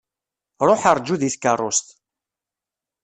Ṛuḥ rǧu deg tkeṛṛust.